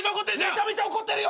めちゃめちゃ怒ってるよ！